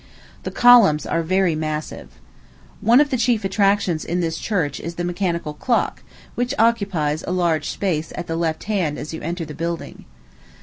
The columns are very massive. One of the chief attractions in this church is the mechanical clock, which occupies a large space at the left hand as you enter the building.